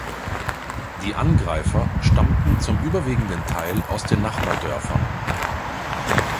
Die Angreifer stammten zum überwiegenden Teil aus den Nachbardörfern.